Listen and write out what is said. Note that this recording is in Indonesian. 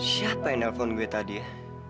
siapa yang nelfon gue tadi ya